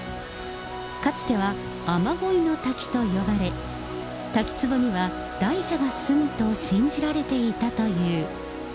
かつては雨ごいの滝と呼ばれ、滝つぼには大蛇が住むと信じられていたという。